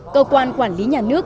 cơ quan quản lý nhà nước